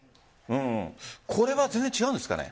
これは全然違うんですかね？